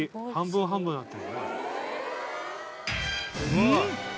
うん！？